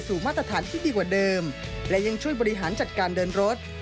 มาตรฐานที่ดีกว่าเดิมและยังช่วยบริหารจัดการเดินรถ